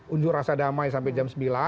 unjuk rasa damai sampai jam sembilan